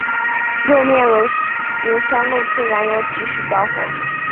右面油箱漏出燃油即时着火。